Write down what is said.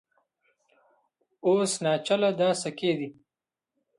اوس ناچله دا سکې دي